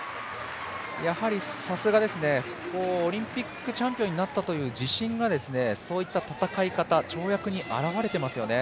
やはり、さすがですねオリンピックチャンピオンになったという自信がそういった戦い方、跳躍に現れてますよね。